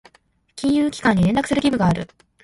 金融機関に連絡する義務がある。